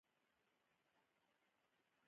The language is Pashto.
د محبوبیت د ترلاسه کولو لپاره.